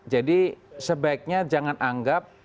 jadi sebaiknya jangan anggap